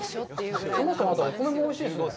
そもそもお米もおいしいですね。